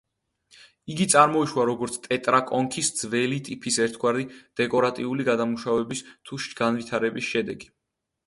იგი წარმოიშვა როგორც ტეტრაკონქის ძველი ტიპის ერთგვარი დეკორატიული გადამუშავების თუ განვითარების შედეგი.